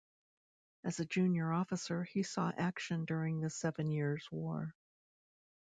As a junior officer he saw action during the Seven Years' War.